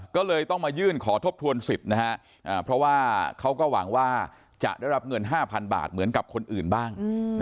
ก็เลยต้องมายื่นขอทบทวนสิทธิ์นะฮะเพราะว่าเขาก็หวังว่าจะได้รับเงิน๕๐๐๐บาทเหมือนกับคนอื่นบ้าง